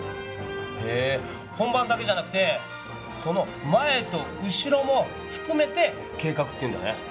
へえ本番だけじゃなくてその前と後ろもふくめて「計画」っていうんだね。